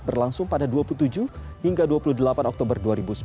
berlangsung pada dua puluh tujuh hingga dua puluh delapan oktober dua ribu sembilan belas